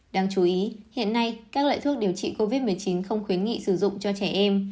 đáng chú ý hiện nay các loại thuốc điều trị covid một mươi chín không khuyến nghị sử dụng cho trẻ em